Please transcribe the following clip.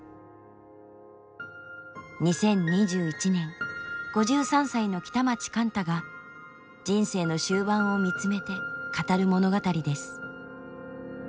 ２０２１年５３歳の北町貫多が人生の終盤を見つめて語る物語です。